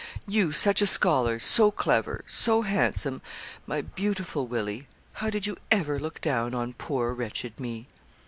you such a scholar, so clever, so handsome, my beautiful Willie how did you ever look down on poor wretched me?'